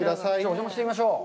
お邪魔してみましょう。